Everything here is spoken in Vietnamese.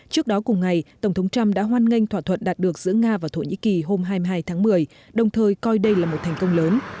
trước đó cùng ngày tổng thống trump đã hoan nghênh thỏa thuận đạt được giữa nga và thổ nhĩ kỳ hôm hai mươi hai tháng một mươi đồng thời coi đây là một thành công lớn